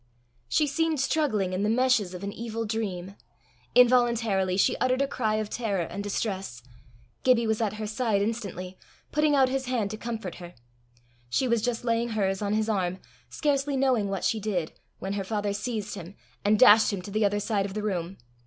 She seemed struggling in the meshes of an evil dream. Involuntarily she uttered a cry of terror and distress. Gibbie was at her side instantly, putting out his hand to comfort her. She was just laying hers on his arm, scarcely knowing what she did, when her father seized him, and dashed him to the other side of the room.